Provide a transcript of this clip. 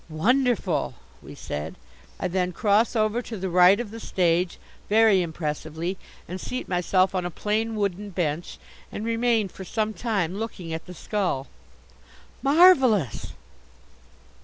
"Wonderful!" we said. "I then cross over to the right of the stage, very impressively, and seat myself on a plain wooden bench, and remain for some time, looking at the skull." "Marvellous!"